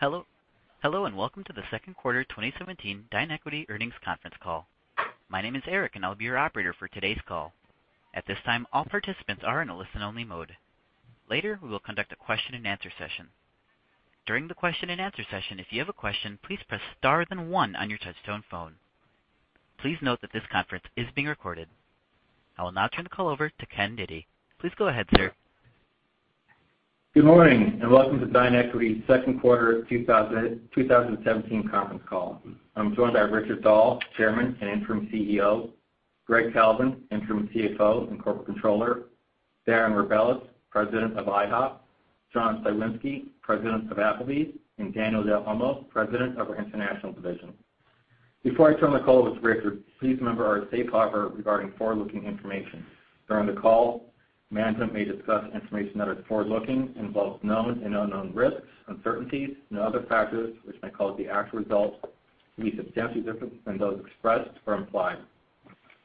Hello and welcome to the second quarter 2017 DineEquity earnings conference call. My name is Eric, and I'll be your operator for today's call. At this time, all participants are in a listen-only mode. Later, we will conduct a question and answer session. During the question and answer session, if you have a question, please press star, then one on your touch-tone phone. Please note that this conference is being recorded. I will now turn the call over to Ken Diptee. Please go ahead, sir. Good morning, and welcome to DineEquity's second quarter 2017 conference call. I'm joined by Richard Dahl, Chairman and Interim CEO, Greggory H. Kalvin, Interim CFO and Corporate Controller, Darren Rebelez, President of IHOP, John Cywinski, President of Applebee's, and Daniel del Olmo, President of our International Division. Before I turn the call over to Richard, please remember our safe harbor regarding forward-looking information. During the call, management may discuss information that is forward-looking, involves known and unknown risks, uncertainties, and other factors which may cause the actual results to be substantially different from those expressed or implied.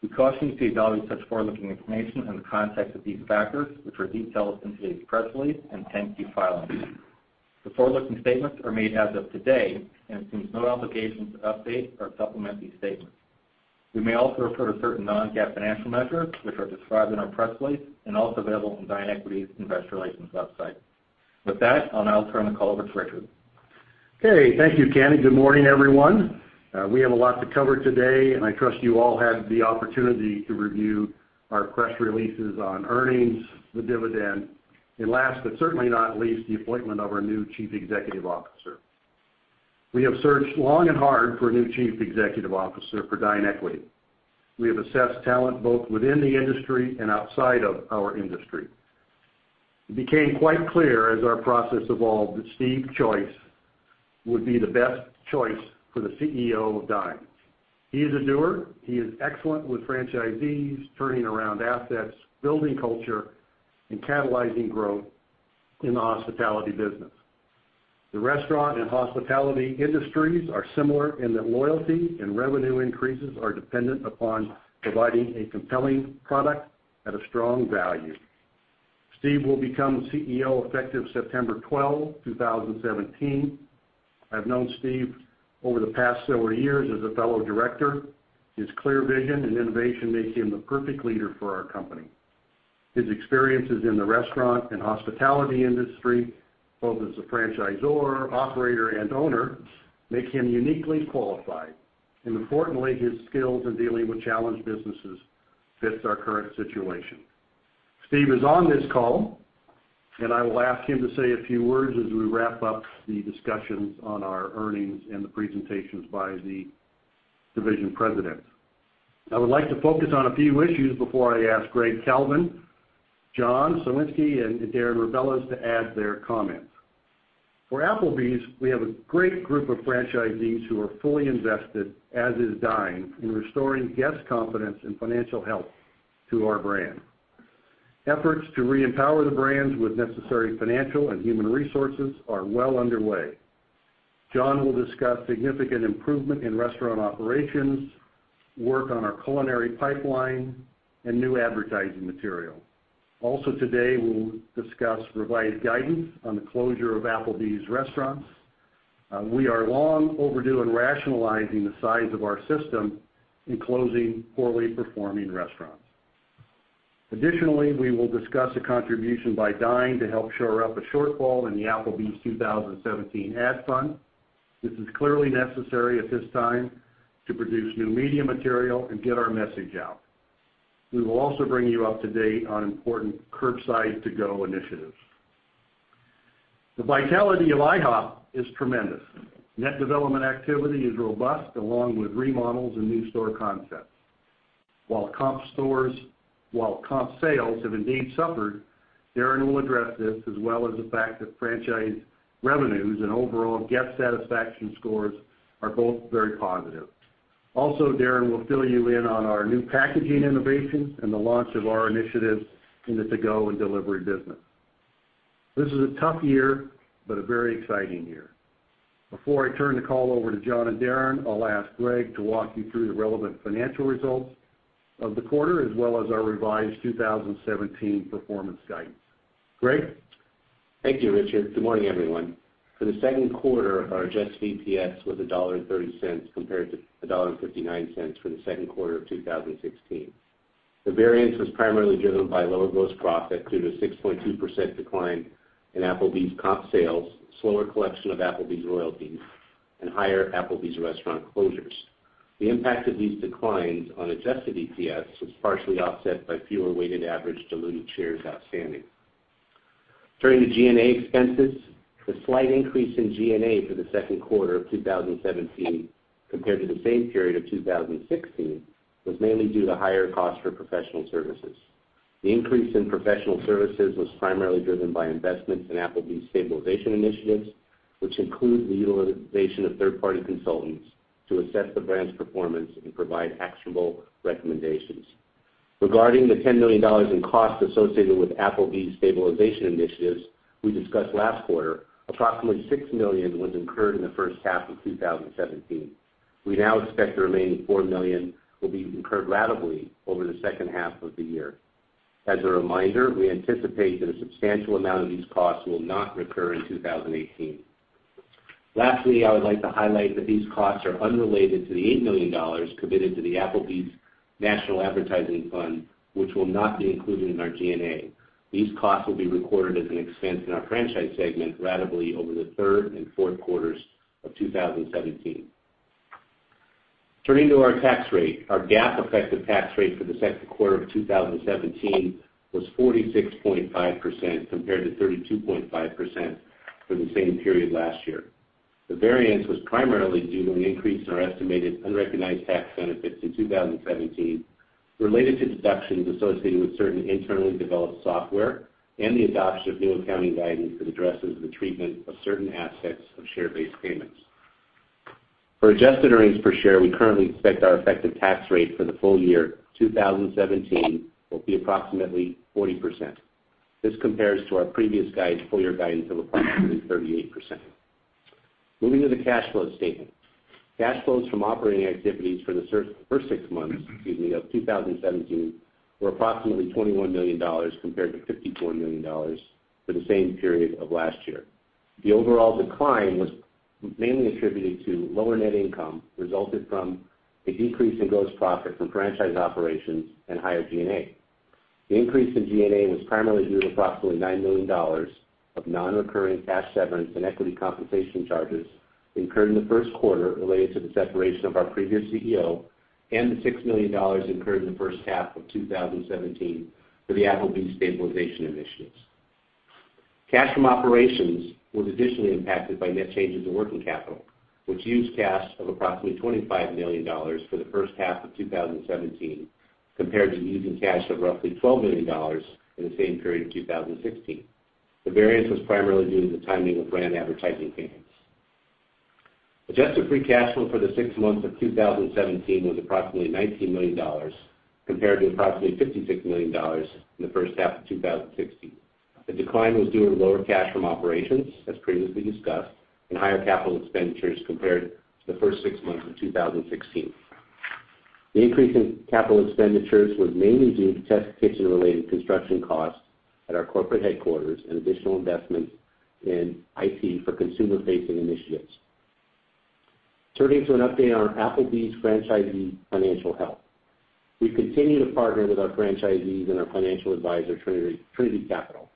We caution you to evaluate such forward-looking information in the context of these factors, which are detailed in today's press release and 10-Q filings. The forward-looking statements are made as of today and assume no obligation to update or supplement these statements. We may also refer to certain non-GAAP financial measures, which are described in our press release and also available on DineEquity's investor relations website. With that, I'll now turn the call over to Richard. Okay, thank you, Ken. Good morning, everyone. We have a lot to cover today, and I trust you all had the opportunity to review our press releases on earnings, the dividend, and last, but certainly not least, the appointment of our new Chief Executive Officer. We have searched long and hard for a new Chief Executive Officer for DineEquity. We have assessed talent both within the industry and outside of our industry. It became quite clear as our process evolved that Steve Joyce would be the best choice for the CEO of Dine. He is a doer. He is excellent with franchisees, turning around assets, building culture, and catalyzing growth in the hospitality business. The restaurant and hospitality industries are similar in that loyalty and revenue increases are dependent upon providing a compelling product at a strong value. Steve will become CEO effective September 12, 2017. I've known Steve over the past several years as a fellow director. His clear vision and innovation make him the perfect leader for our company. His experiences in the restaurant and hospitality industry, both as a franchisor, operator, and owner, make him uniquely qualified, and importantly, his skills in dealing with challenged businesses fits our current situation. Steve is on this call, and I will ask him to say a few words as we wrap up the discussions on our earnings and the presentations by the division presidents. I would like to focus on a few issues before I ask Greg Kalvin, John Cywinski, and Darren Rebelez to add their comments. For Applebee's, we have a great group of franchisees who are fully invested, as is Dine, in restoring guest confidence and financial health to our brand. Efforts to re-empower the brands with necessary financial and human resources are well underway. John will discuss significant improvement in restaurant operations, work on our culinary pipeline, and new advertising material. Also today, we'll discuss revised guidance on the closure of Applebee's restaurants. We are long overdue in rationalizing the size of our system and closing poorly performing restaurants. Additionally, we will discuss a contribution by Dine to help shore up a shortfall in the Applebee's 2017 ad fund. This is clearly necessary at this time to produce new media material and get our message out. We will also bring you up to date on important Carside To Go initiatives. The vitality of IHOP is tremendous. Net development activity is robust, along with remodels and new store concepts. While comp sales have indeed suffered, Darren will address this, as well as the fact that franchise revenues and overall guest satisfaction scores are both very positive. Also, Darren will fill you in on our new packaging innovations and the launch of our initiatives in the to-go and delivery business. This is a tough year, but a very exciting year. Before I turn the call over to John and Darren, I'll ask Greg to walk you through the relevant financial results of the quarter, as well as our revised 2017 performance guidance. Greg? Thank you, Richard. Good morning, everyone. For the second quarter, our adjusted EPS was $1.30 compared to $1.59 for the second quarter of 2016. The variance was primarily driven by lower gross profit due to 6.2% decline in Applebee's comp sales, slower collection of Applebee's royalties, and higher Applebee's restaurant closures. The impact of these declines on adjusted EPS was partially offset by fewer weighted average diluted shares outstanding. Turning to G&A expenses, the slight increase in G&A for the second quarter of 2017 compared to the same period of 2016 was mainly due to higher costs for professional services. The increase in professional services was primarily driven by investments in Applebee's stabilization initiatives, which include the utilization of third-party consultants to assess the brand's performance and provide actionable recommendations. Regarding the $10 million in costs associated with Applebee's stabilization initiatives we discussed last quarter, approximately $6 million was incurred in the first half of 2017. We now expect the remaining $4 million will be incurred ratably over the second half of the year. As a reminder, we anticipate that a substantial amount of these costs will not recur in 2018. Lastly, I would like to highlight that these costs are unrelated to the $8 million committed to the Applebee's national advertising fund, which will not be included in our G&A. These costs will be recorded as an expense in our franchise segment ratably over the third and fourth quarters of 2017. Turning to our tax rate, our GAAP effective tax rate for the second quarter of 2017 was 46.5%, compared to 32.5% for the same period last year. The variance was primarily due to an increase in our estimated unrecognized tax benefits in 2017, related to deductions associated with certain internally developed software and the adoption of new accounting guidance that addresses the treatment of certain aspects of share-based payments. For adjusted earnings per share, we currently expect our effective tax rate for the full year 2017 will be approximately 40%. This compares to our previous full-year guidance of approximately 38%. Moving to the cash flow statement. Cash flows from operating activities for the first six months of 2017 were approximately $21 million compared to $54 million for the same period of last year. The overall decline was mainly attributed to lower net income, resulted from a decrease in gross profit from franchise operations and higher G&A. The increase in G&A was primarily due to approximately $9 million of non-recurring cash severance and equity compensation charges incurred in the first quarter related to the separation of our previous CEO and the $6 million incurred in the first half of 2017 for the Applebee's stabilization initiatives. Cash from operations was additionally impacted by net changes in working capital, which used cash of approximately $25 million for the first half of 2017 compared to using cash of roughly $12 million in the same period in 2016. The variance was primarily due to the timing of brand advertising campaigns. Adjusted free cash flow for the six months of 2017 was approximately $19 million, compared to approximately $56 million in the first half of 2016. The decline was due to lower cash from operations, as previously discussed, and higher capital expenditures compared to the first six months of 2016. The increase in capital expenditures was mainly due to test kitchen-related construction costs at our corporate headquarters and additional investments in IT for consumer-facing initiatives. Turning to an update on Applebee's franchisee financial health. We continue to partner with our franchisees and our financial advisor, Trinity Capital.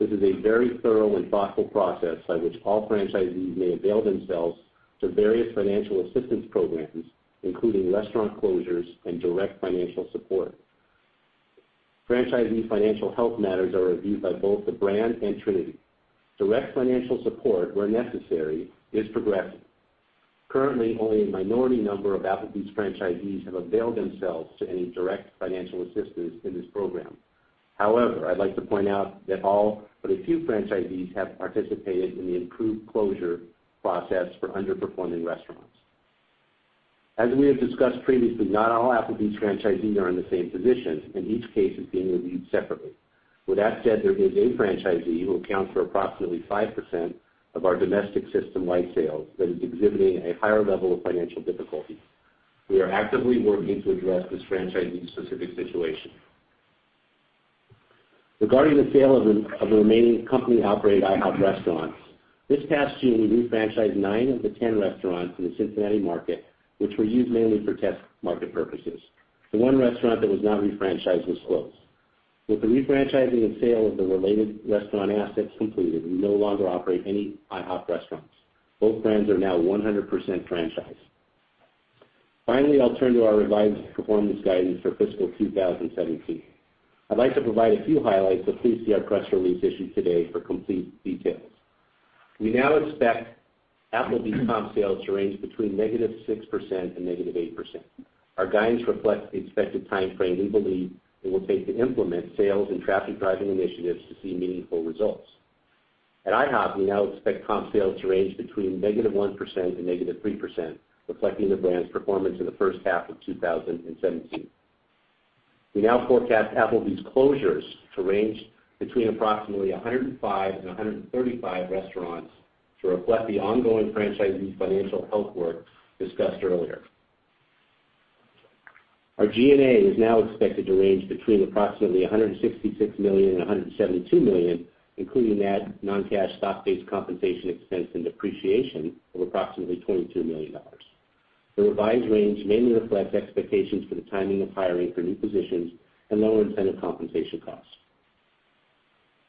This is a very thorough and thoughtful process by which all franchisees may avail themselves to various financial assistance programs, including restaurant closures and direct financial support. Franchisee financial health matters are reviewed by both the brand and Trinity. Direct financial support, where necessary, is progressing. Currently, only a minority number of Applebee's franchisees have availed themselves to any direct financial assistance in this program. However, I'd like to point out that all but a few franchisees have participated in the improved closure process for underperforming restaurants. As we have discussed previously, not all Applebee's franchisees are in the same position, and each case is being reviewed separately. With that said, there is a franchisee who accounts for approximately 5% of our domestic system-wide sales that is exhibiting a higher level of financial difficulty. We are actively working to address this franchisee's specific situation. Regarding the sale of the remaining company-operated IHOP restaurants, this past June, we refranchised nine of the 10 restaurants in the Cincinnati market, which were used mainly for test market purposes. The one restaurant that was not refranchised was closed. With the refranchising and sale of the related restaurant assets completed, we no longer operate any IHOP restaurants. Both brands are now 100% franchised. Finally, I'll turn to our revised performance guidance for fiscal 2017. I'd like to provide a few highlights, but please see our press release issued today for complete details. We now expect Applebee's comp sales to range between negative 6% and negative 8%. Our guidance reflects the expected timeframe we believe it will take to implement sales and traffic-driving initiatives to see meaningful results. At IHOP, we now expect comp sales to range between negative 1% and negative 3%, reflecting the brand's performance in the first half of 2017. We now forecast Applebee's closures to range between approximately 105 and 135 restaurants to reflect the ongoing franchisee financial health work discussed earlier. Our G&A is now expected to range between approximately $166 million and $172 million, including net non-cash stock-based compensation expense and depreciation of approximately $22 million. The revised range mainly reflects expectations for the timing of hiring for new positions and lower incentive compensation costs.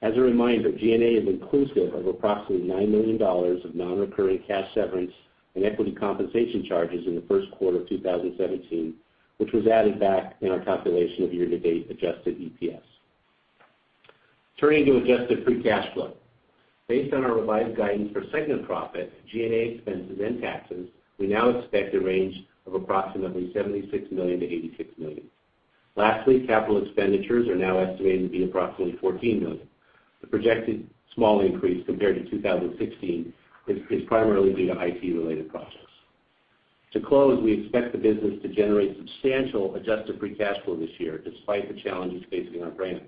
As a reminder, G&A is inclusive of approximately $9 million of non-recurring cash severance and equity compensation charges in the first quarter of 2017, which was added back in our calculation of year-to-date adjusted EPS. Turning to adjusted free cash flow. Based on our revised guidance for segment profit, G&A expenses, and taxes, we now expect a range of approximately $76 million to $86 million. Lastly, capital expenditures are now estimated to be approximately $14 million. The projected small increase compared to 2016 is primarily due to IT-related projects. To close, we expect the business to generate substantial adjusted free cash flow this year despite the challenges facing our brands.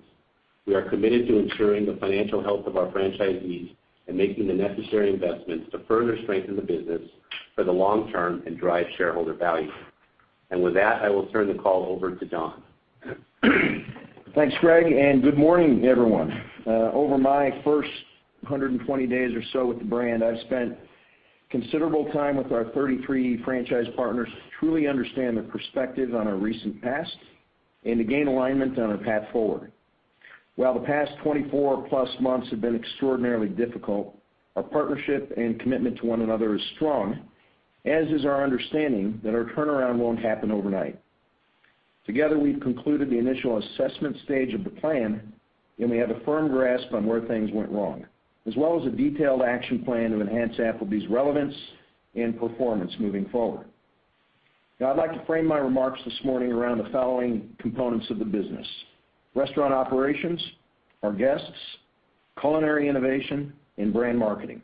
We are committed to ensuring the financial health of our franchisees and making the necessary investments to further strengthen the business for the long term and drive shareholder value. With that, I will turn the call over to John. Thanks, Greg. Good morning, everyone. Over my first 120 days or so with the brand, I've spent considerable time with our 33 franchise partners to truly understand their perspective on our recent past and to gain alignment on our path forward. While the past 24 plus months have been extraordinarily difficult, our partnership and commitment to one another is strong, as is our understanding that our turnaround won't happen overnight. Together, we've concluded the initial assessment stage of the plan. We have a firm grasp on where things went wrong, as well as a detailed action plan to enhance Applebee's relevance and performance moving forward. I'd like to frame my remarks this morning around the following components of the business: restaurant operations, our guests, culinary innovation, and brand marketing.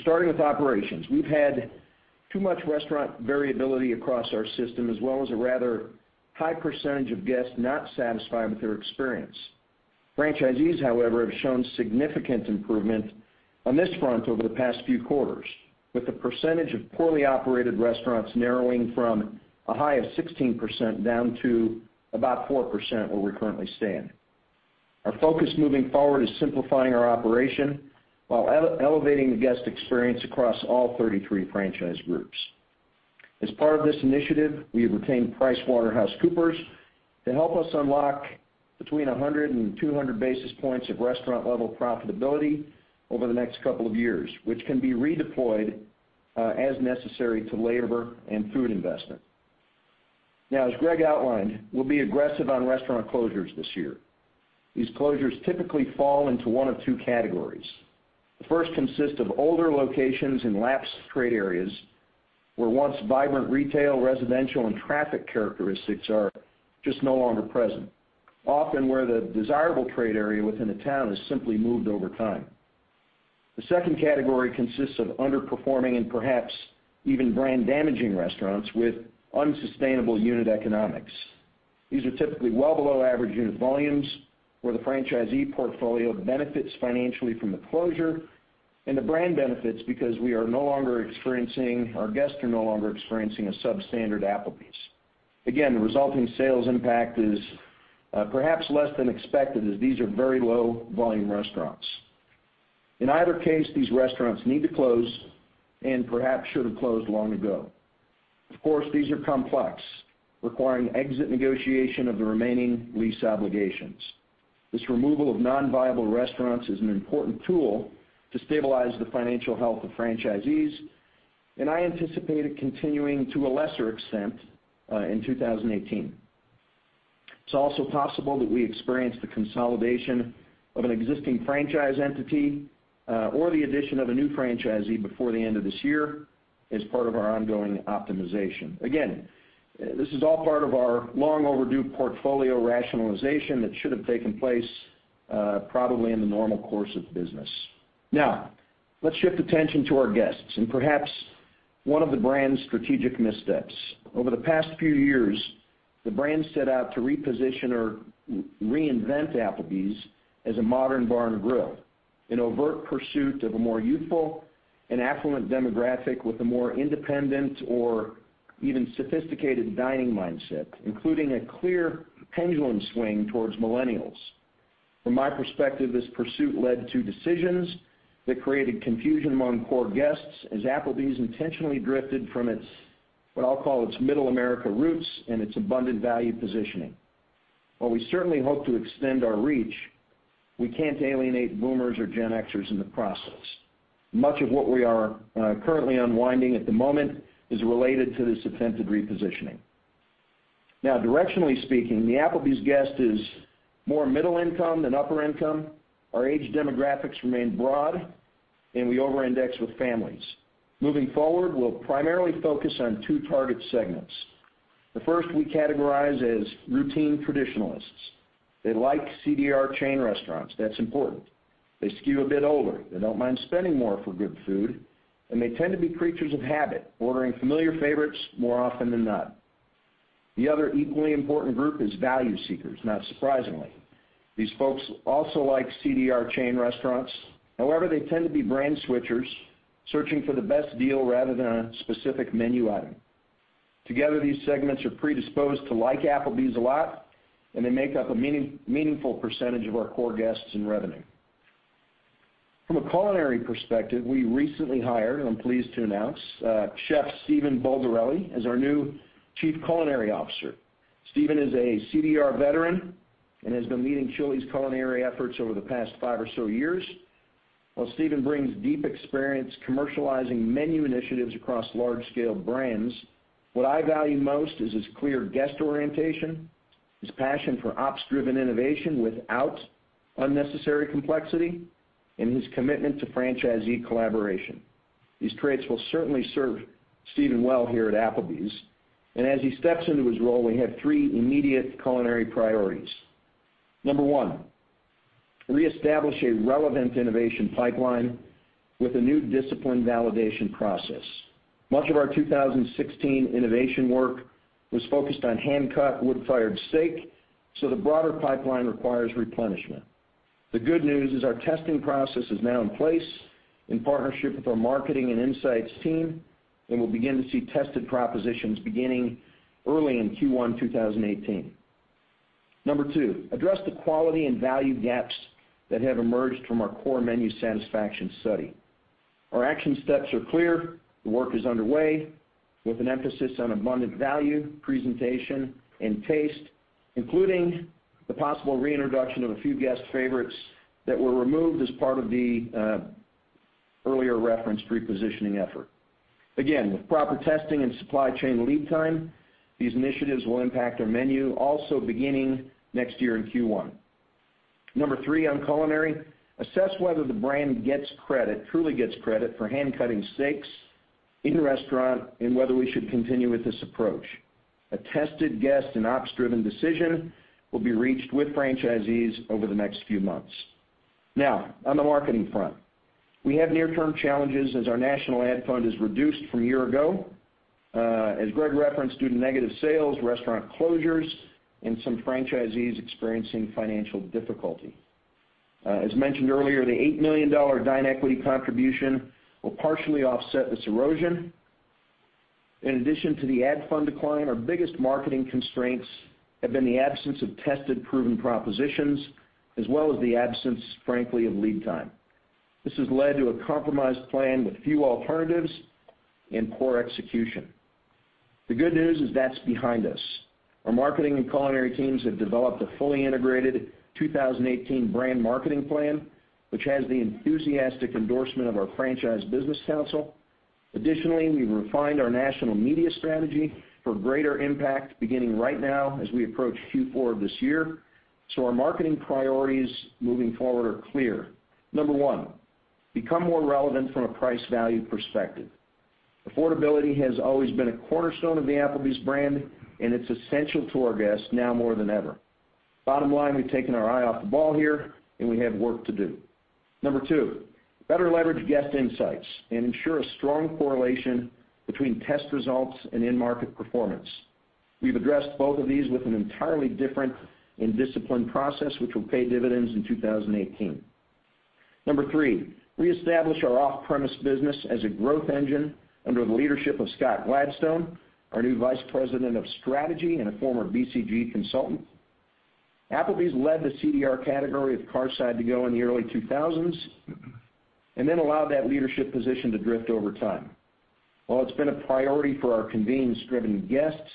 Starting with operations, we've had too much restaurant variability across our system, as well as a rather high percentage of guests not satisfied with their experience. Franchisees, however, have shown significant improvement on this front over the past few quarters, with the percentage of poorly operated restaurants narrowing from a high of 16% down to about 4% where we currently stand. Our focus moving forward is simplifying our operation while elevating the guest experience across all 33 franchise groups. As part of this initiative, we have retained PricewaterhouseCoopers to help us unlock between 100 and 200 basis points of restaurant-level profitability over the next couple of years, which can be redeployed as necessary to labor and food investment. As Greg outlined, we'll be aggressive on restaurant closures this year. These closures typically fall into one of two categories. The first consists of older locations in lapsed trade areas where once vibrant retail, residential, and traffic characteristics are just no longer present, often where the desirable trade area within a town has simply moved over time. The second category consists of underperforming and perhaps even brand-damaging restaurants with unsustainable unit economics. These are typically well below average unit volumes where the franchisee portfolio benefits financially from the closure and the brand benefits because our guests are no longer experiencing a substandard Applebee's. The resulting sales impact is perhaps less than expected, as these are very low volume restaurants. In either case, these restaurants need to close and perhaps should have closed long ago. Of course, these are complex, requiring exit negotiation of the remaining lease obligations. This removal of non-viable restaurants is an important tool to stabilize the financial health of franchisees, and I anticipate it continuing to a lesser extent in 2018. It's also possible that we experience the consolidation of an existing franchise entity or the addition of a new franchisee before the end of this year as part of our ongoing optimization. This is all part of our long overdue portfolio rationalization that should have taken place probably in the normal course of business. Let's shift attention to our guests and perhaps one of the brand's strategic missteps. Over the past few years, the brand set out to reposition or reinvent Applebee's as a modern bar and grill in overt pursuit of a more youthful and affluent demographic with a more independent or even sophisticated dining mindset, including a clear pendulum swing towards millennials. From my perspective, this pursuit led to decisions that created confusion among core guests as Applebee's intentionally drifted from what I'll call its Middle America roots and its abundant value positioning. While we certainly hope to extend our reach, we can't alienate Boomers or Gen Xers in the process. Much of what we are currently unwinding at the moment is related to this attempted repositioning. Directionally speaking, the Applebee's guest is more middle income than upper income. Our age demographics remain broad, and we over-index with families. Moving forward, we'll primarily focus on two target segments. The first we categorize as routine traditionalists. They like CDR chain restaurants. That's important. They skew a bit older. They don't mind spending more for good food, and they tend to be creatures of habit, ordering familiar favorites more often than not. The other equally important group is value seekers, not surprisingly. These folks also like CDR chain restaurants. However, they tend to be brand switchers, searching for the best deal rather than a specific menu item. Together, these segments are predisposed to like Applebee's a lot, and they make up a meaningful percentage of our core guests and revenue. From a culinary perspective, we recently hired, I'm pleased to announce, Chef Stephen Bulgarelli as our new Chief Culinary Officer. Stephen is a CDR veteran and has been leading Chili's culinary efforts over the past five or so years. While Stephen brings deep experience commercializing menu initiatives across large-scale brands, what I value most is his clear guest orientation, his passion for ops-driven innovation without unnecessary complexity, and his commitment to franchisee collaboration. These traits will certainly serve Stephen well here at Applebee's, and as he steps into his role, we have three immediate culinary priorities. Number one. Reestablish a relevant innovation pipeline with a new disciplined validation process. Much of our 2016 innovation work was focused on hand-cut wood-fired steak, the broader pipeline requires replenishment. The good news is our testing process is now in place in partnership with our marketing and insights team, and we'll begin to see tested propositions beginning early in Q1 2018. Number two, address the quality and value gaps that have emerged from our core menu satisfaction study. Our action steps are clear. The work is underway with an emphasis on abundant value, presentation, and taste, including the possible reintroduction of a few guest favorites that were removed as part of the earlier referenced repositioning effort. Again, with proper testing and supply chain lead time, these initiatives will impact our menu also beginning next year in Q1. Number three on culinary, assess whether the brand gets credit, truly gets credit, for hand cutting steaks in restaurant and whether we should continue with this approach. A tested guest and ops-driven decision will be reached with franchisees over the next few months. On the marketing front. We have near-term challenges as our national ad fund is reduced from a year ago, as Greg referenced, due to negative sales, restaurant closures, and some franchisees experiencing financial difficulty. As mentioned earlier, the $8 million DineEquity contribution will partially offset this erosion. In addition to the ad fund decline, our biggest marketing constraints have been the absence of tested, proven propositions, as well as the absence, frankly, of lead time. This has led to a compromised plan with few alternatives and poor execution. The good news is that's behind us. Our marketing and culinary teams have developed a fully integrated 2018 brand marketing plan, which has the enthusiastic endorsement of our franchise business council. Additionally, we've refined our national media strategy for greater impact beginning right now as we approach Q4 of this year. Our marketing priorities moving forward are clear. Number one, become more relevant from a price value perspective. Affordability has always been a cornerstone of the Applebee's brand, and it's essential to our guests now more than ever. Bottom line, we've taken our eye off the ball here, and we have work to do. Number two, better leverage guest insights and ensure a strong correlation between test results and in-market performance. We've addressed both of these with an entirely different and disciplined process which will pay dividends in 2018. Number three, reestablish our off-premise business as a growth engine under the leadership of Scott Gladstone, our new Vice President of Strategy and a former BCG consultant. Applebee's led the CDR category of Carside To Go in the early 2000s, and then allowed that leadership position to drift over time. While it's been a priority for our convenience-driven guests,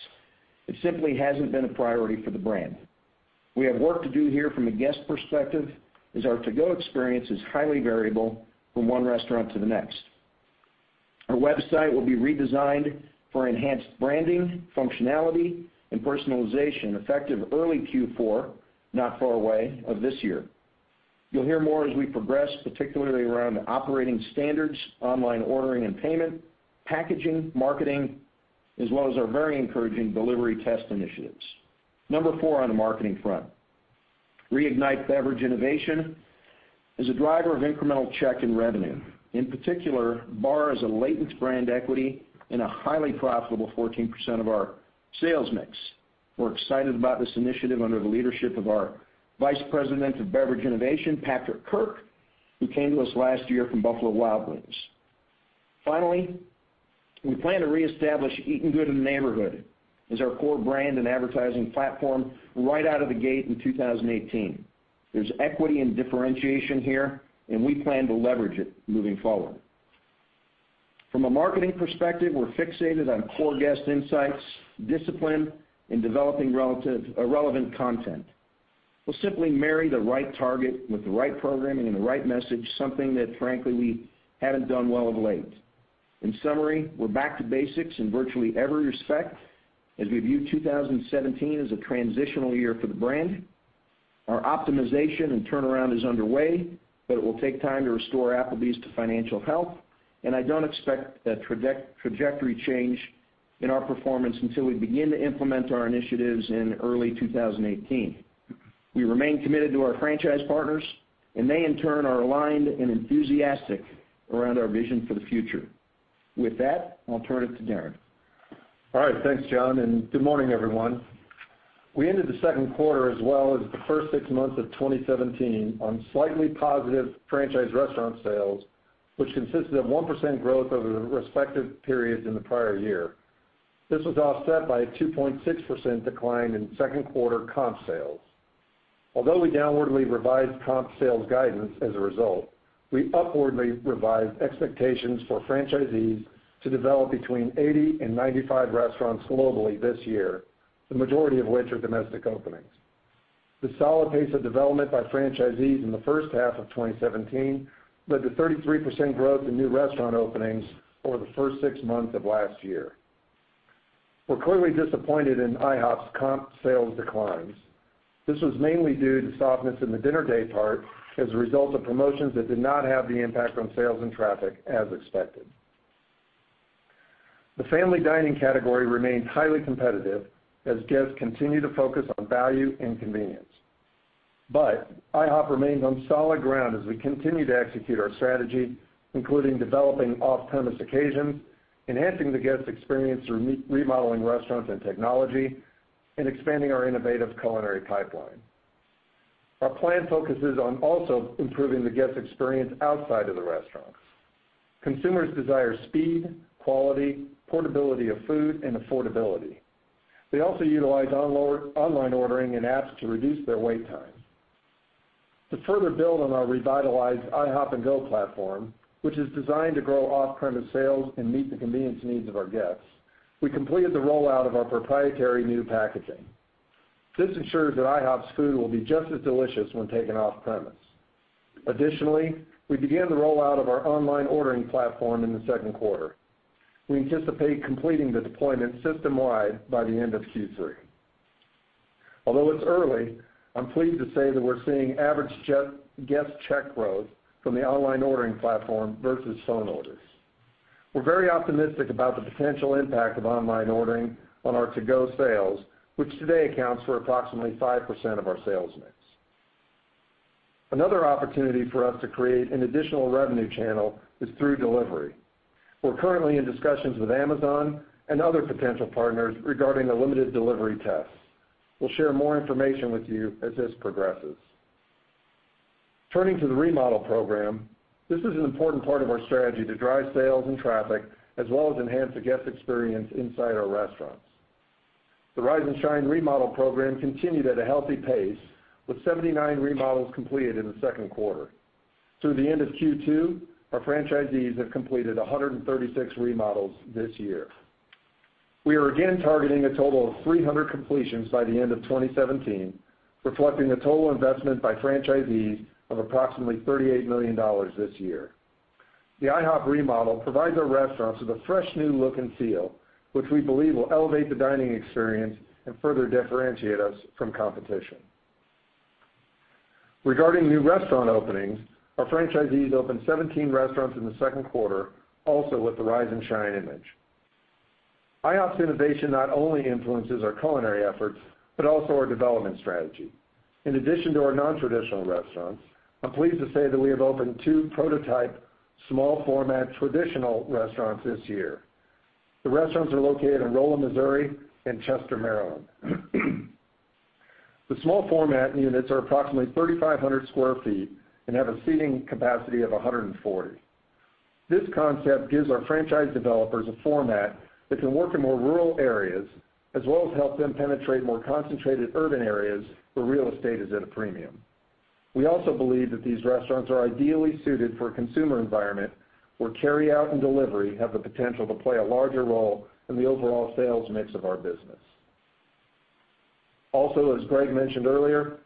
it simply hasn't been a priority for the brand. We have work to do here from a guest perspective, as our to-go experience is highly variable from one restaurant to the next. Our website will be redesigned for enhanced branding, functionality, and personalization effective early Q4, not far away, of this year. You'll hear more as we progress, particularly around operating standards, online ordering and payment, packaging, marketing, as well as our very encouraging delivery test initiatives. Number four on the marketing front, reignite beverage innovation as a driver of incremental check and revenue. In particular, bar is a latent brand equity in a highly profitable 14% of our sales mix. We're excited about this initiative under the leadership of our Vice President of Beverage Innovation, Patrick Kirk, who came to us last year from Buffalo Wild Wings. Finally, we plan to reestablish Eatin' Good in the Neighborhood as our core brand and advertising platform right out of the gate in 2018. There's equity and differentiation here, and we plan to leverage it moving forward. From a marketing perspective, we're fixated on core guest insights, discipline, and developing relevant content. We'll simply marry the right target with the right programming and the right message, something that frankly we haven't done well of late. In summary, we're back to basics in virtually every respect as we view 2017 as a transitional year for the brand. Our optimization and turnaround is underway, but it will take time to restore Applebee's to financial health, and I don't expect a trajectory change in our performance until we begin to implement our initiatives in early 2018. We remain committed to our franchise partners, and they in turn are aligned and enthusiastic around our vision for the future. With that, I'll turn it to Darren. All right. Thanks, John, and good morning, everyone. We ended the second quarter as well as the first six months of 2017 on slightly positive franchise restaurant sales, which consisted of 1% growth over the respective periods in the prior year. This was offset by a 2.6% decline in second quarter comp sales. Although we downwardly revised comp sales guidance as a result, we upwardly revised expectations for franchisees to develop between 80 and 95 restaurants globally this year, the majority of which are domestic openings. The solid pace of development by franchisees in the first half of 2017 led to 33% growth in new restaurant openings over the first six months of last year. We're clearly disappointed in IHOP's comp sales declines. This was mainly due to softness in the dinner day part as a result of promotions that did not have the impact on sales and traffic as expected. The family dining category remains highly competitive as guests continue to focus on value and convenience. IHOP remains on solid ground as we continue to execute our strategy, including developing off-premise occasions, enhancing the guest experience through remodeling restaurants and technology, and expanding our innovative culinary pipeline. Our plan focuses on also improving the guest experience outside of the restaurants. Consumers desire speed, quality, portability of food, and affordability. They also utilize online ordering and apps to reduce their wait time. To further build on our revitalized IHOP 'N GO platform, which is designed to grow off-premise sales and meet the convenience needs of our guests, we completed the rollout of our proprietary new packaging. This ensures that IHOP's food will be just as delicious when taken off-premise. Additionally, we began the rollout of our online ordering platform in the second quarter. We anticipate completing the deployment system-wide by the end of Q3. Although it's early, I'm pleased to say that we're seeing average guest check growth from the online ordering platform versus phone orders. We're very optimistic about the potential impact of online ordering on our to-go sales, which today accounts for approximately 5% of our sales mix. Another opportunity for us to create an additional revenue channel is through delivery. We're currently in discussions with Amazon and other potential partners regarding a limited delivery test. We'll share more information with you as this progresses. Turning to the remodel program, this is an important part of our strategy to drive sales and traffic, as well as enhance the guest experience inside our restaurants. The Rise and Shine remodel program continued at a healthy pace, with 79 remodels completed in the second quarter. Through the end of Q2, our franchisees have completed 136 remodels this year. We are again targeting a total of 300 completions by the end of 2017, reflecting a total investment by franchisees of approximately $38 million this year. The IHOP remodel provides our restaurants with a fresh new look and feel, which we believe will elevate the dining experience and further differentiate us from competition. Regarding new restaurant openings, our franchisees opened 17 restaurants in the second quarter, also with the Rise and Shine image. IHOP's innovation not only influences our culinary efforts, but also our development strategy. In addition to our non-traditional restaurants, I'm pleased to say that we have opened two prototype small format traditional restaurants this year. The restaurants are located in Rolla, Missouri, and Chester, Maryland. The small format units are approximately 3,500 square feet and have a seating capacity of 140. This concept gives our franchise developers a format that can work in more rural areas, as well as help them penetrate more concentrated urban areas where real estate is at a premium. We also believe that these restaurants are ideally suited for a consumer environment where carryout and delivery have the potential to play a larger role in the overall sales mix of our business. Also, as Gregg mentioned earlier,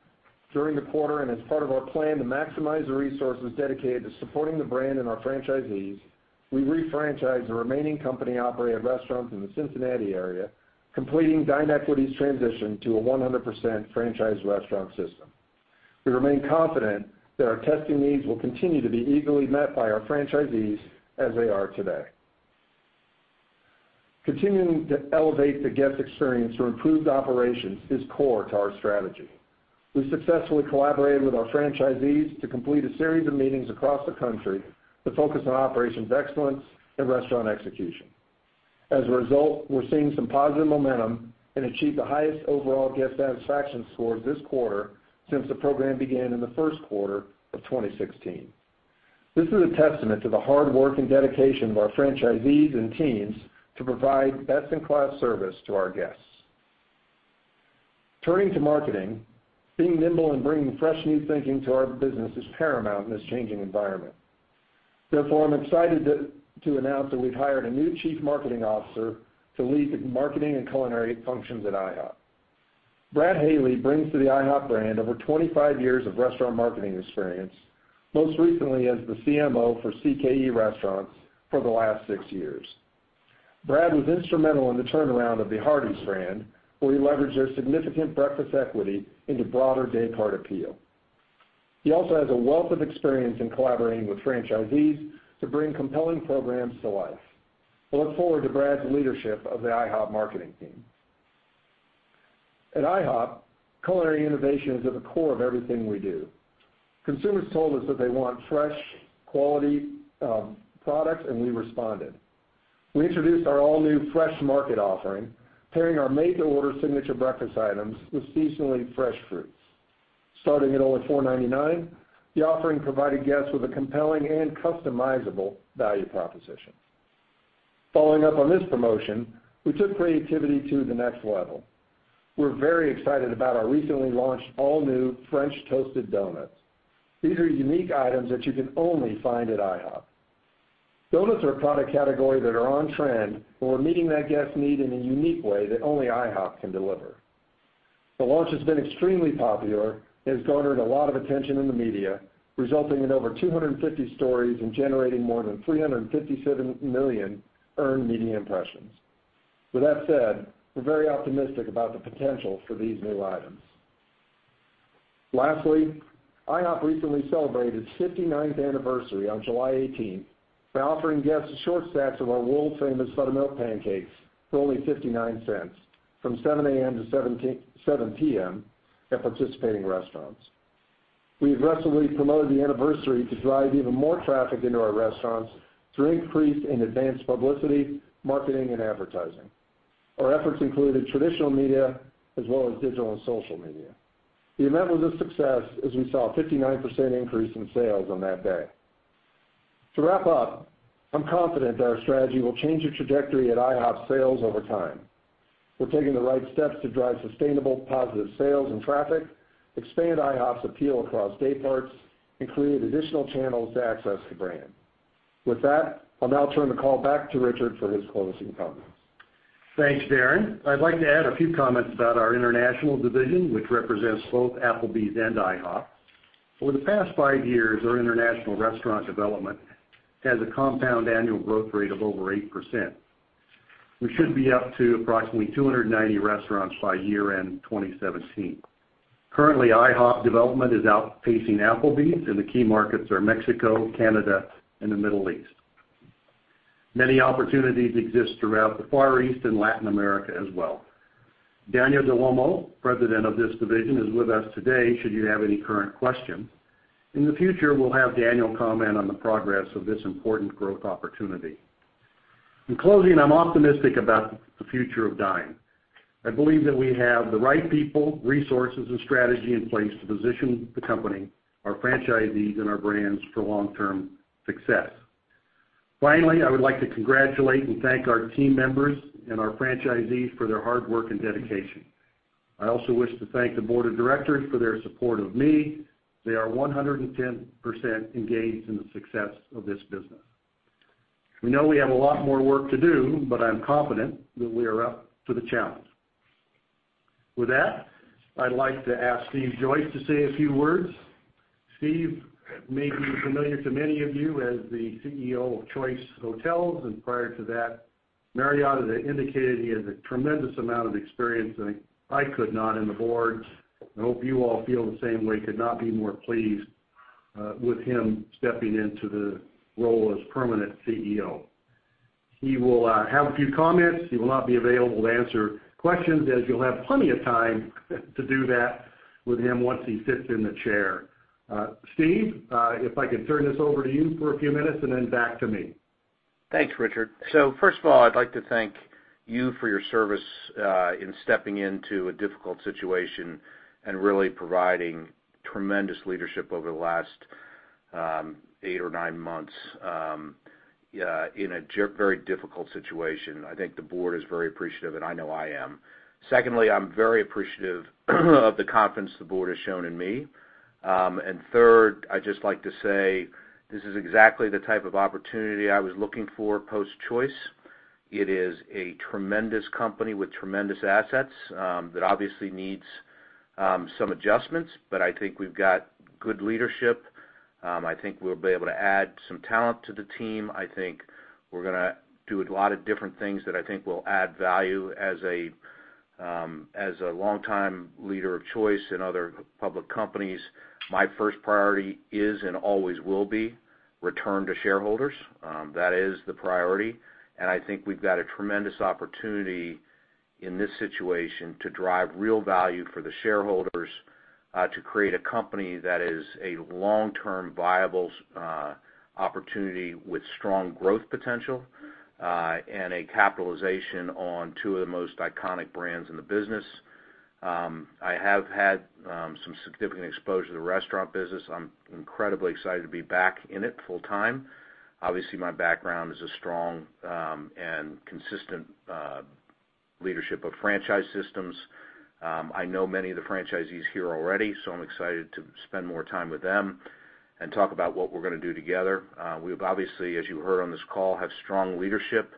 during the quarter and as part of our plan to maximize the resources dedicated to supporting the brand and our franchisees, we re-franchised the remaining company-operated restaurants in the Cincinnati area, completing DineEquity's transition to a 100% franchise restaurant system. We remain confident that our testing needs will continue to be eagerly met by our franchisees as they are today. Continuing to elevate the guest experience through improved operations is core to our strategy. We successfully collaborated with our franchisees to complete a series of meetings across the country to focus on operations excellence and restaurant execution. As a result, we're seeing some positive momentum and achieved the highest overall guest satisfaction scores this quarter since the program began in the first quarter of 2016. This is a testament to the hard work and dedication of our franchisees and teams to provide best-in-class service to our guests. Turning to marketing, being nimble and bringing fresh new thinking to our business is paramount in this changing environment. Therefore, I'm excited to announce that we've hired a new Chief Marketing Officer to lead marketing and culinary functions at IHOP. Brad Haley brings to the IHOP brand over 25 years of restaurant marketing experience, most recently as the CMO for CKE Restaurants for the last six years. Brad was instrumental in the turnaround of the Hardee's brand, where he leveraged their significant breakfast equity into broader daypart appeal. He also has a wealth of experience in collaborating with franchisees to bring compelling programs to life. We look forward to Brad's leadership of the IHOP marketing team. At IHOP, culinary innovation is at the core of everything we do. Consumers told us that they want fresh, quality products, and we responded. We introduced our all-new Fresh Market offering, pairing our made-to-order signature breakfast items with seasonally fresh fruits. Starting at only $4.99, the offering provided guests with a compelling and customizable value proposition. Following up on this promotion, we took creativity to the next level. We're very excited about our recently launched all-new French Toasted Donuts. These are unique items that you can only find at IHOP. Donuts are a product category that are on trend, and we're meeting that guest need in a unique way that only IHOP can deliver. The launch has been extremely popular and has garnered a lot of attention in the media, resulting in over 250 stories and generating more than 357 million earned media impressions. With that said, we're very optimistic about the potential for these new items. Lastly, IHOP recently celebrated its 59th anniversary on July 18th by offering guests a short stack of our world-famous buttermilk pancakes for only $0.59 from 7:00 A.M. to 7:00 P.M. at participating restaurants. We aggressively promoted the anniversary to drive even more traffic into our restaurants through increased and advanced publicity, marketing, and advertising. Our efforts included traditional media as well as digital and social media. The event was a success, as we saw a 59% increase in sales on that day. To wrap up, I'm confident that our strategy will change the trajectory at IHOP's sales over time. We're taking the right steps to drive sustainable positive sales and traffic, expand IHOP's appeal across day parts, and create additional channels to access the brand. With that, I'll now turn the call back to Richard for his closing comments. Thanks, Darren. I'd like to add a few comments about our international division, which represents both Applebee's and IHOP. Over the past five years, our international restaurant development has a compound annual growth rate of over 8%. We should be up to approximately 290 restaurants by year-end 2017. Currently, IHOP development is outpacing Applebee's, and the key markets are Mexico, Canada, and the Middle East. Many opportunities exist throughout the Far East and Latin America as well. Daniel del Olmo, President of this division, is with us today should you have any current questions. In the future, we'll have Daniel comment on the progress of this important growth opportunity. In closing, I'm optimistic about the future of Dine. I believe that we have the right people, resources, and strategy in place to position the company, our franchisees, and our brands for long-term success. Finally, I would like to congratulate and thank our team members and our franchisees for their hard work and dedication. I also wish to thank the board of directors for their support of me. They are 110% engaged in the success of this business. We know we have a lot more work to do, but I'm confident that we are up to the challenge. With that, I'd like to ask Steve Joyce to say a few words. Steve may be familiar to many of you as the CEO of Choice Hotels, and prior to that, Mariana indicated he has a tremendous amount of experience, and I could not, and the board, I hope you all feel the same way, could not be more pleased with him stepping into the role as permanent CEO. He will have a few comments. He will not be available to answer questions, as you'll have plenty of time to do that with him once he sits in the chair. Steve, if I could turn this over to you for a few minutes and then back to me. First of all, I'd like to thank you for your service, in stepping into a difficult situation and really providing tremendous leadership over the last, eight or nine months, in a very difficult situation. I think the board is very appreciative, and I know I am. Secondly, I'm very appreciative of the confidence the board has shown in me. Third, I'd just like to say this is exactly the type of opportunity I was looking for post-Choice. It is a tremendous company with tremendous assets, that obviously needs some adjustments, but I think we've got good leadership. I think we'll be able to add some talent to the team. I think we're going to do a lot of different things that I think will add value. As a long-time leader of Choice and other public companies, my first priority is and always will be return to shareholders. That is the priority, and I think we've got a tremendous opportunity in this situation to drive real value for the shareholders, to create a company that is a long-term viable opportunity with strong growth potential, and a capitalization on two of the most iconic brands in the business. I have had some significant exposure to the restaurant business. I'm incredibly excited to be back in it full time. Obviously, my background is a strong and consistent leadership of franchise systems. I know many of the franchisees here already, so I'm excited to spend more time with them and talk about what we're going to do together. We've obviously, as you heard on this call, have strong leadership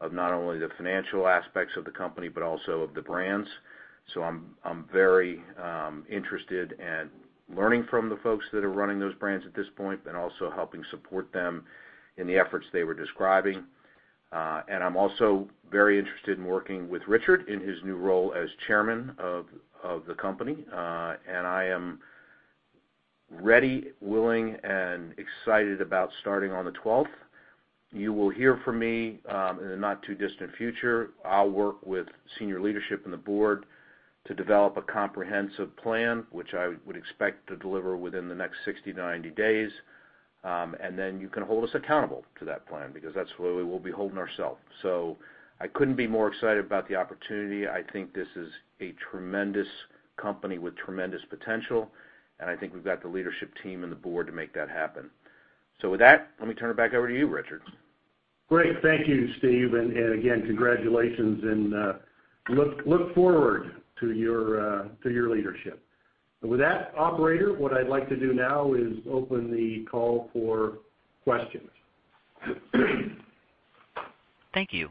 of not only the financial aspects of the company, but also of the brands. I'm very interested in learning from the folks that are running those brands at this point, and also helping support them in the efforts they were describing. I'm also very interested in working with Richard in his new role as chairman of the company. I am ready, willing, and excited about starting on the 12th. You will hear from me in the not-too-distant future. I'll work with senior leadership and the board to develop a comprehensive plan, which I would expect to deliver within the next 60-90 days. You can hold us accountable to that plan because that's what we will be holding ourselves. I couldn't be more excited about the opportunity. I think this is a tremendous company with tremendous potential, and I think we've got the leadership team and the board to make that happen. With that, let me turn it back over to you, Richard. Great. Thank you, Steve, and again, congratulations, and look forward to your leadership. With that, operator, what I'd like to do now is open the call for questions. Thank you.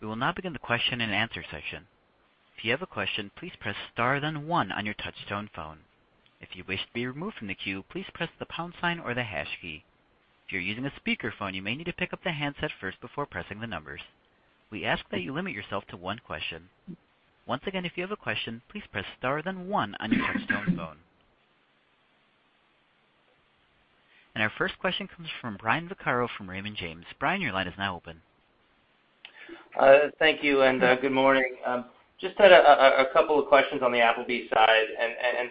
We will now begin the question and answer session. If you have a question, please press star then one on your touchtone phone. If you wish to be removed from the queue, please press the pound sign or the hash key. If you're using a speakerphone, you may need to pick up the handset first before pressing the numbers. We ask that you limit yourself to one question. Once again, if you have a question, please press star then one on your touchtone phone. Our first question comes from Brian Vaccaro from Raymond James. Brian, your line is now open. Thank you, good morning. Just had a couple of questions on the Applebee's side,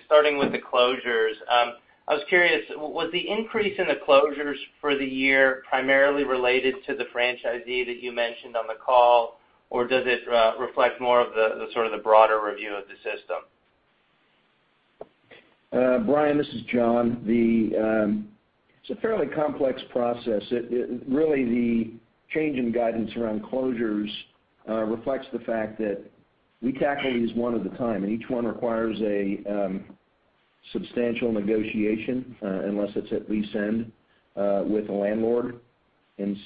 starting with the closures. I was curious, was the increase in the closures for the year primarily related to the franchisee that you mentioned on the call, or does it reflect more of the broader review of the system? Brian, this is John. It's a fairly complex process. Really, the change in guidance around closures reflects the fact that we tackle these one at a time, and each one requires a substantial negotiation, unless it's at lease end, with the landlord.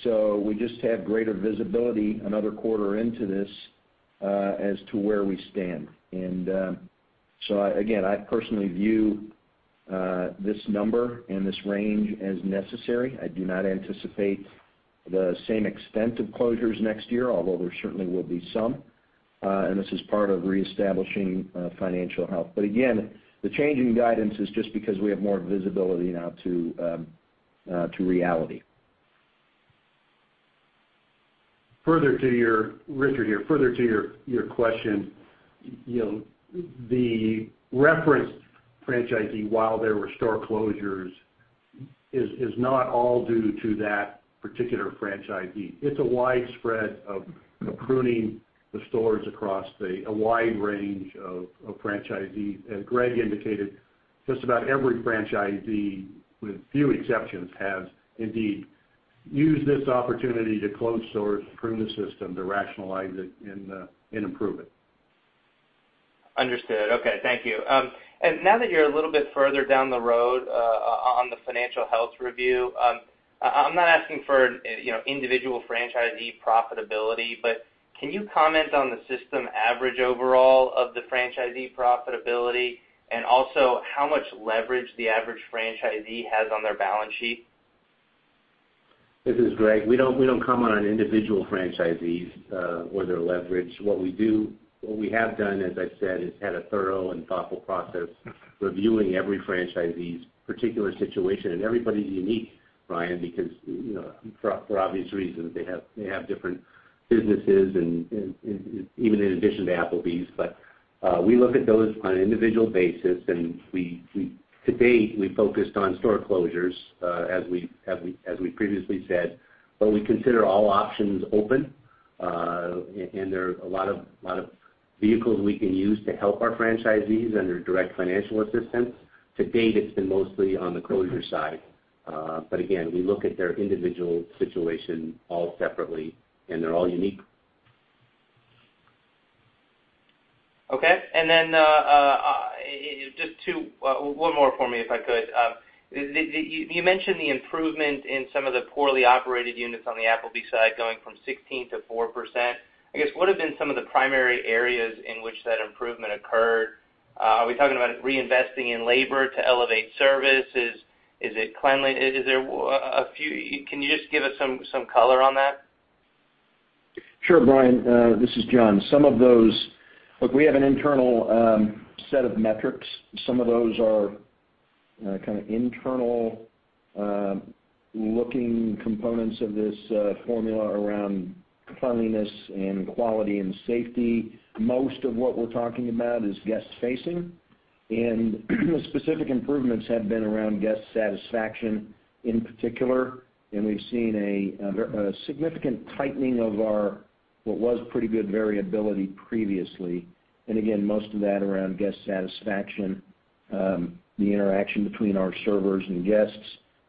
So we just have greater visibility another quarter into this as to where we stand. So again, I personally view this number and this range as necessary. I do not anticipate the same extent of closures next year, although there certainly will be some. This is part of reestablishing financial health. Again, the change in guidance is just because we have more visibility now to reality. Richard here. Further to your question, the referenced franchisee, while there were store closures, is not all due to that particular franchisee. It's a widespread of pruning the stores across a wide range of franchisees. As Greg indicated, just about every franchisee, with few exceptions, has indeed used this opportunity to close stores, prune the system, to rationalize it, and improve it. Understood. Okay. Thank you. Now that you're a little bit further down the road on the financial health review, I'm not asking for individual franchisee profitability, but can you comment on the system average overall of the franchisee profitability and also how much leverage the average franchisee has on their balance sheet? This is Greg. We don't comment on individual franchisees or their leverage. What we have done, as I said, is had a thorough and thoughtful process reviewing every franchisee's particular situation. Everybody's unique, Brian, because for obvious reasons, they have different businesses and even in addition to Applebee's. We look at those on an individual basis, and to date, we focused on store closures as we previously said, but we consider all options open. There are a lot of vehicles we can use to help our franchisees under direct financial assistance. To date, it's been mostly on the closure side. Again, we look at their individual situation all separately, and they're all unique. Okay. Just one more for me, if I could. You mentioned the improvement in some of the poorly operated units on the Applebee's side, going from 16%-4%. I guess, what have been some of the primary areas in which that improvement occurred? Are we talking about reinvesting in labor to elevate service? Is it cleanliness? Can you just give us some color on that? Sure, Brian. This is John. Look, we have an internal set of metrics. Some of those are kind of internal-looking components of this formula around cleanliness and quality and safety. Most of what we're talking about is guest facing, the specific improvements have been around guest satisfaction in particular, and we've seen a significant tightening of our, what was pretty good variability previously. Again, most of that around guest satisfaction, the interaction between our servers and guests.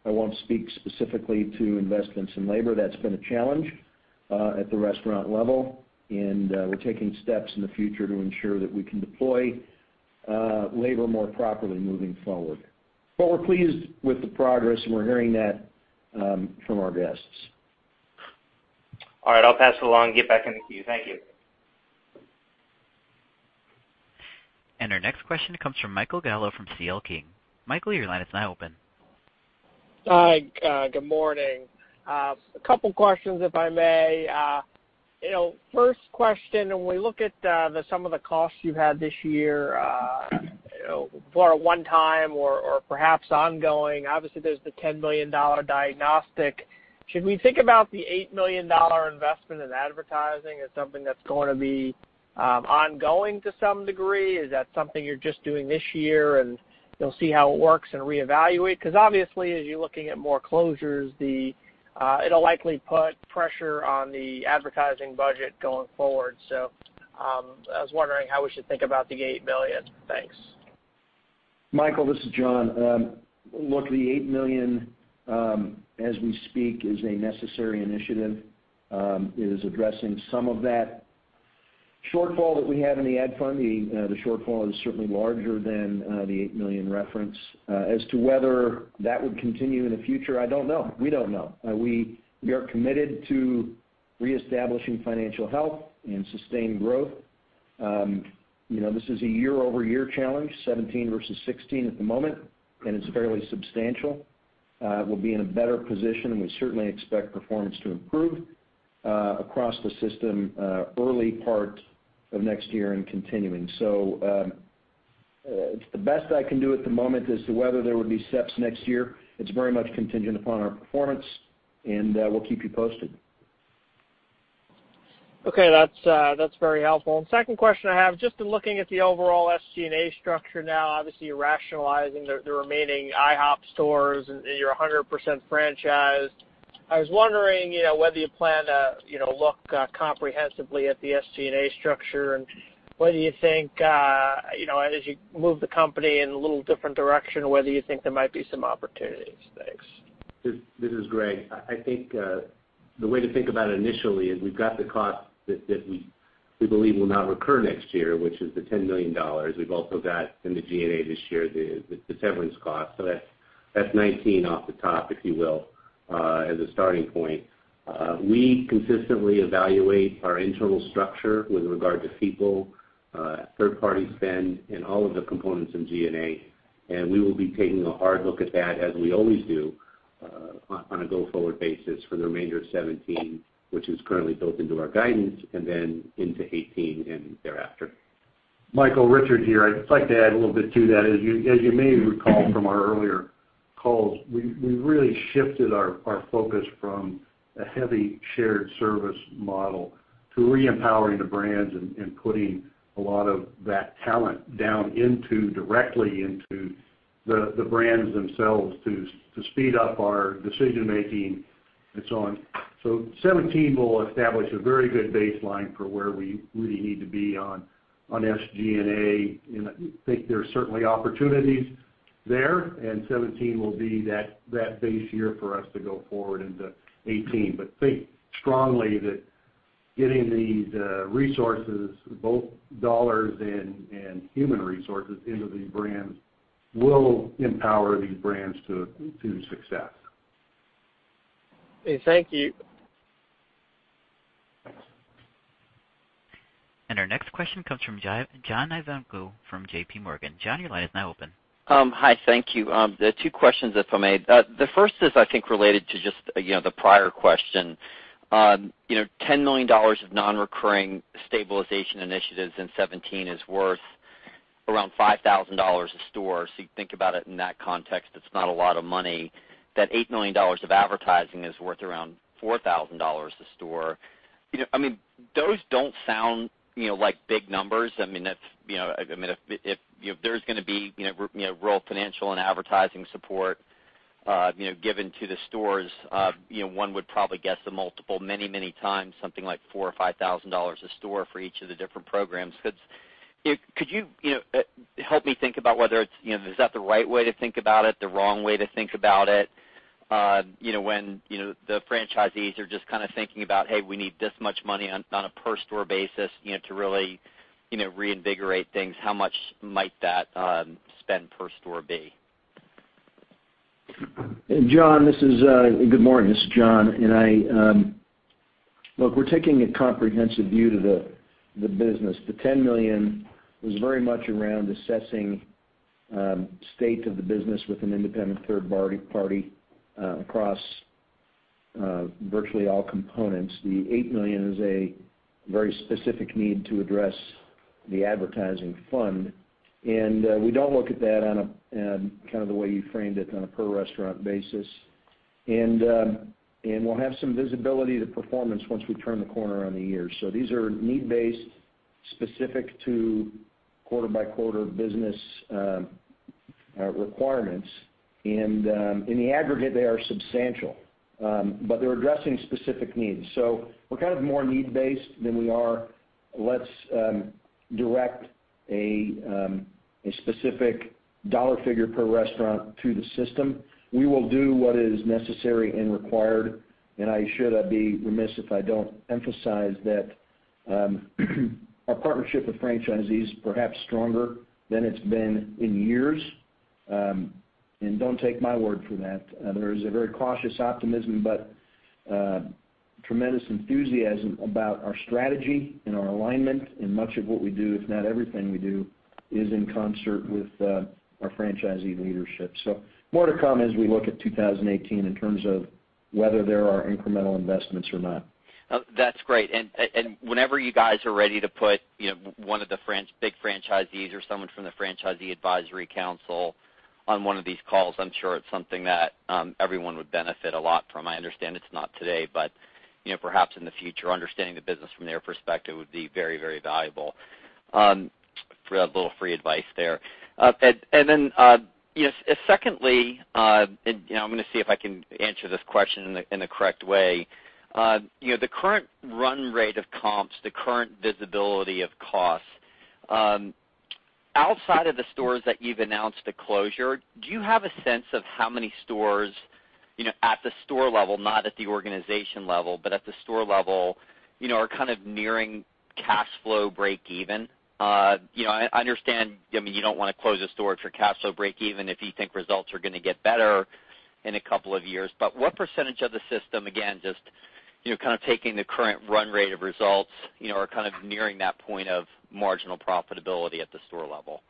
I won't speak specifically to investments in labor. That's been a challenge at the restaurant level, and we're taking steps in the future to ensure that we can deploy labor more properly moving forward. We're pleased with the progress, and we're hearing that from our guests. All right. I'll pass it along and get back in the queue. Thank you. Our next question comes from Michael Gallo from C.L. King. Michael, your line is now open. Hi, good morning. A couple questions, if I may. First question, when we look at the sum of the costs you've had this year for a one-time or perhaps ongoing, obviously there's the $10 million diagnostic. Should we think about the $8 million investment in advertising as something that's going to be ongoing to some degree? Is that something you're just doing this year, and you'll see how it works and reevaluate? Because obviously, as you're looking at more closures, it'll likely put pressure on the advertising budget going forward. I was wondering how we should think about the $8 million. Thanks. Michael, this is John. Look, the $8 million, as we speak, is a necessary initiative. It is addressing some of that shortfall that we had in the ad funding. The shortfall is certainly larger than the $8 million referenced. As to whether that would continue in the future, I don't know. We don't know. We are committed to reestablishing financial health and sustained growth. This is a year-over-year challenge, 2017 versus 2016 at the moment, it's fairly substantial. We'll be in a better position, we certainly expect performance to improve across the system early part of next year and continuing. The best I can do at the moment as to whether there would be [SEP] next year, it's very much contingent upon our performance, we'll keep you posted. Okay. That's very helpful. Second question I have, just in looking at the overall SG&A structure now, obviously you're rationalizing the remaining IHOP stores, you're 100% franchised. I was wondering whether you plan to look comprehensively at the SG&A structure and whether you think, as you move the company in a little different direction, whether you think there might be some opportunities. Thanks. This is Greg. I think the way to think about it initially is we've got the cost that we believe will not recur next year, which is the $10 million. We've also got in the G&A this year, the severance cost. That's 19 off the top, if you will, as a starting point. We consistently evaluate our internal structure with regard to people, third party spend, and all of the components in G&A, we will be taking a hard look at that as we always do on a go forward basis for the remainder of 2017, which is currently built into our guidance, then into 2018 and thereafter. Michael, Richard here. I'd just like to add a little bit to that. As you may recall from our earlier calls, we really shifted our focus from a heavy shared service model to re-empowering the brands, putting a lot of that talent down directly into the brands themselves to speed up our decision making and so on. 2017 will establish a very good baseline for where we really need to be on SG&A, I think there's certainly opportunities there, 2017 will be that base year for us to go forward into 2018. Think strongly that getting these resources, both dollars and human resources into these brands will empower these brands to success. Okay. Thank you. Our next question comes from John Ivankoe from J.P. Morgan. John, your line is now open. Hi, thank you. Two questions, if I may. The first is, I think, related to just the prior question. $10 million of non-recurring stabilization initiatives in 2017 is worth around $5,000 a store. You think about it in that context, it's not a lot of money. That $8 million of advertising is worth around $4,000 a store. Those don't sound like big numbers. If there's going to be real financial and advertising support given to the stores, one would probably guess a multiple many times something like $4,000 or $5,000 a store for each of the different programs. Could you help me think about whether is that the right way to think about it, the wrong way to think about it? When the franchisees are just kind of thinking about, "Hey, we need this much money on a per store basis to really reinvigorate things," how much might that spend per store be? John, good morning. This is John. We're taking a comprehensive view to the business. The $10 million was very much around assessing state of the business with an independent third party across virtually all components. The $8 million is a very specific need to address the advertising fund. We don't look at that on a, kind of the way you framed it, on a per restaurant basis. We'll have some visibility to performance once we turn the corner on the year. These are need-based, specific to quarter by quarter business requirements. In the aggregate, they are substantial, but they're addressing specific needs. We're kind of more need-based than we are let's direct a specific dollar figure per restaurant to the system. We will do what is necessary and required. I should be remiss if I don't emphasize that our partnership with franchisees is perhaps stronger than it's been in years. Don't take my word for that. There is a very cautious optimism, tremendous enthusiasm about our strategy and our alignment. Much of what we do, if not everything we do, is in concert with our franchisee leadership. More to come as we look at 2018 in terms of whether there are incremental investments or not. That's great. Whenever you guys are ready to put one of the big franchisees or someone from the franchisee advisory council on one of these calls, I'm sure it's something that everyone would benefit a lot from. I understand it's not today, perhaps in the future, understanding the business from their perspective would be very valuable. A little free advice there. Secondly, I'm going to see if I can answer this question in the correct way. The current run rate of comps, the current visibility of costs, outside of the stores that you've announced a closure, do you have a sense of how many stores at the store level, not at the organization level, but at the store level, are kind of nearing cash flow breakeven? I understand you don't want to close a store if you're cash flow breakeven if you think results are going to get better in a couple of years. What percentage of the system, again, just kind of taking the current run rate of results, are kind of nearing that point of marginal profitability at the store level?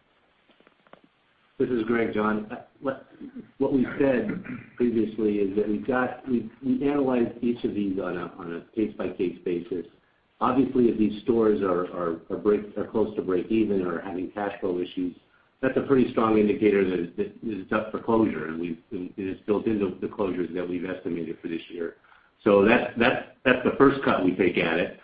This is Greg, John. What we've said previously is that we've analyzed each of these on a case-by-case basis. Obviously, if these stores are close to break even or having cash flow issues, that's a pretty strong indicator that it is up for closure, and it is built into the closures that we've estimated for this year. That's the first cut we take at it.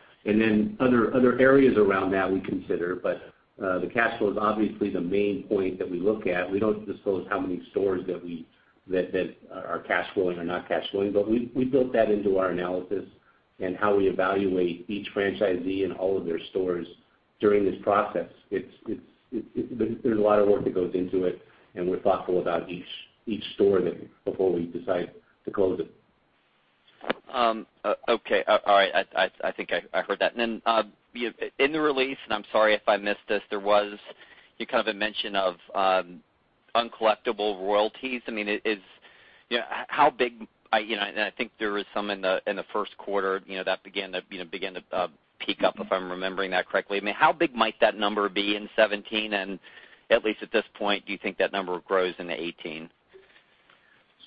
Other areas around that we consider, but the cash flow is obviously the main point that we look at. We don't disclose how many stores that are cash flowing or not cash flowing. We built that into our analysis and how we evaluate each franchisee and all of their stores during this process. There's a lot of work that goes into it, and we're thoughtful about each store there before we decide to close it. Okay. All right. I think I heard that. In the release, and I'm sorry if I missed this, there was kind of a mention of uncollectible royalties. I think there was some in the first quarter, that began to peak up, if I'm remembering that correctly. How big might that number be in 2017? At least at this point, do you think that number grows into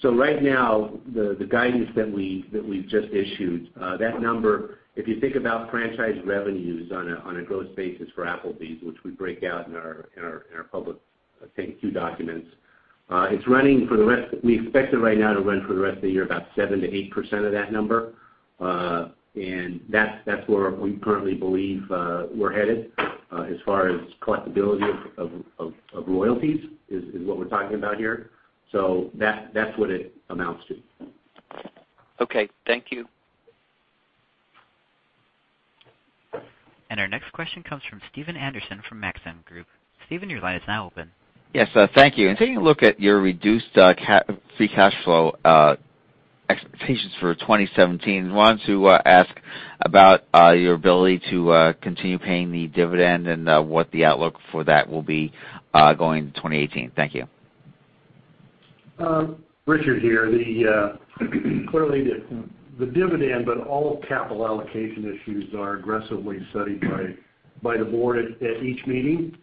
2018? Right now, the guidance that we've just issued, that number, if you think about franchise revenues on a growth basis for Applebee's, which we break out in our public, I think, two documents. We expect it right now to run for the rest of the year about 7% to 8% of that number. That's where we currently believe we're headed as far as collectibility of royalties, is what we're talking about here. That's what it amounts to. Okay. Thank you. Our next question comes from Stephen Anderson from Maxim Group. Stephen, your line is now open. Yes. Thank you. In taking a look at your reduced free cash flow expectations for 2017, I wanted to ask about your ability to continue paying the dividend and what the outlook for that will be going into 2018. Thank you. Richard here. Clearly, the dividend, all capital allocation issues are aggressively studied by the board at each meeting.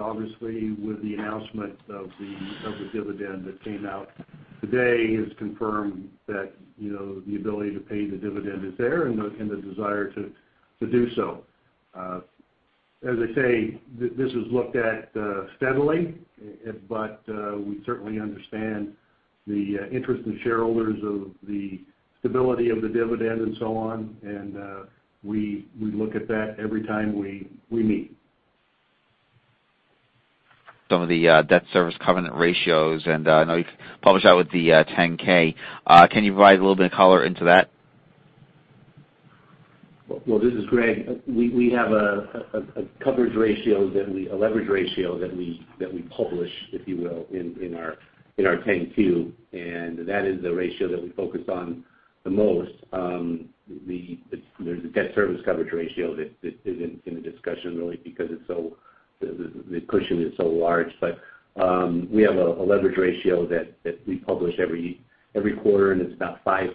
Obviously, with the announcement of the dividend that came out today, it's confirmed that the ability to pay the dividend is there and the desire to do so. As I say, this is looked at steadily, we certainly understand the interest of shareholders of the stability of the dividend and so on, we look at that every time we meet. Some of the debt service covenant ratios, I know you published that with the 10-K. Can you provide a little bit of color into that? This is Greg. We have a leverage ratio that we publish, if you will, in our 10-Q, and that is the ratio that we focus on the most. There's a debt service coverage ratio that isn't in the discussion really because the cushion is so large. We have a leverage ratio that we publish every quarter, and it's about 5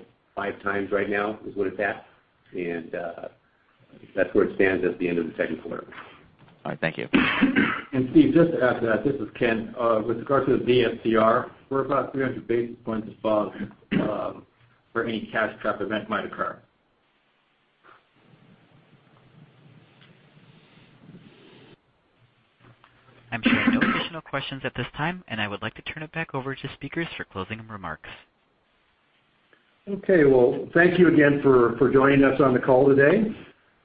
times right now, is what it's at. That's where it stands at the end of the second quarter. All right. Thank you. Steve, just to add to that, this is Ken. With regard to the DSCR, we're about 300 basis points above where any cash cap event might occur. I'm showing no additional questions at this time, and I would like to turn it back over to speakers for closing remarks. Okay. Well, thank you again for joining us on the call today.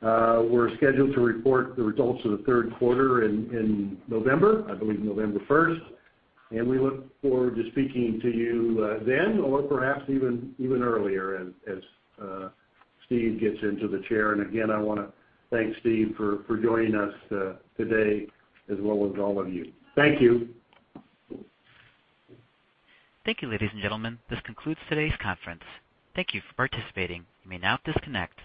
We're scheduled to report the results of the third quarter in November, I believe November 1st. We look forward to speaking to you then, or perhaps even earlier as Steve gets into the chair. Again, I want to thank Steve for joining us today as well as all of you. Thank you. Thank you, ladies and gentlemen. This concludes today's conference. Thank you for participating. You may now disconnect.